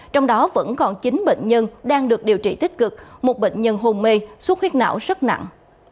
trong đó vẫn còn chín bệnh nhân đang được điều trị tích cực một bệnh nhân hôn mê suốt huyết não rất nặng